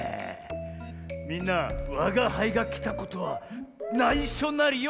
みんなわがはいがきたことはないしょなりよ